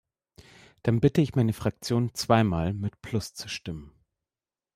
Dann bitte ich meine Fraktion, zweimal mit Plus zu stimmen.